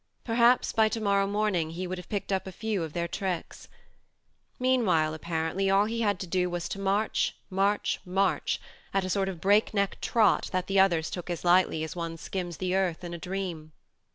Perhaps by to morrow morning he would have picked up a few of their tricks. Meanwhile, apparently, all he had to do was to march, march, march, at a sort of break neck trot that the others took as lightly as one skims the earth in a dream.